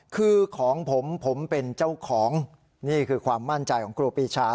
คือของผมผมเป็นเจ้าของนี่คือความมั่นใจของครูปีชา